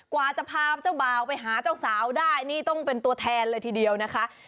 กว่าจะพาเจ้าบ่าวไปหาเจ้าสาวได้นี่ต้องเป็นตัวแทนเลยทีเดียวนะคะ